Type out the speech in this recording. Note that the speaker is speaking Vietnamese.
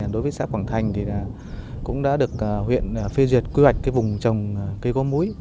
đối với xã quảng thành thì cũng đã được huyện phê duyệt quy hoạch cái vùng trồng cây có múi